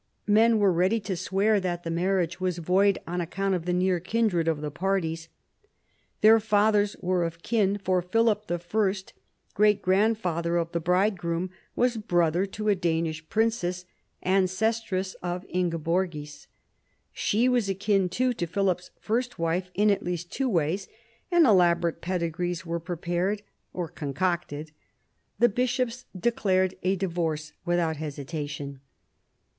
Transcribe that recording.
Men were ready to swear that the marriage was void on account of the near kindred of the parties. Their fathers were of kin, for Philip I., great grandfather of the bridegroom was brother to a Danish princess, ancestress of Ingeborgis. She was akin, too, to Philip's first wife in at least two ways, and elaborate pedigrees were prepared — or concocted. The bishops declared a divorce without hesitation.